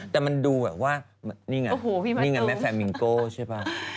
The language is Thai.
แต่มันดูแบบว่านี่ไงนี่ไงแม่แฟร์มิงโก้ใช่ป่ะ